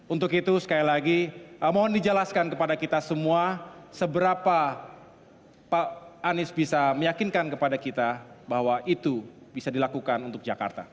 untuk itu sekali lagi mohon dijelaskan kepada kita semua seberapa pak anies bisa meyakinkan kepada kita bahwa itu bisa dilakukan untuk jakarta